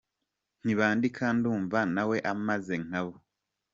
Ntibandika: Ndumva na we ameze nkabo.